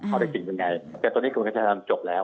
เอาได้จริงเป็นไงแต่ตอนนี้กรุณการยุทธธรรมจบแล้ว